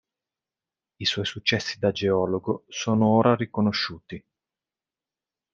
I suoi successi da geologo sono ora riconosciuti.